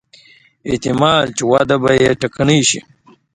احتمالاً چې وده به یې ټکنۍ شي.